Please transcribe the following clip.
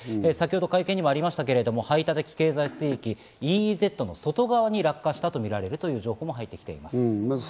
先ほど会見にもありましたが、排他的経済水域ＥＥＺの外側に落下したとみられるという情報も入っています。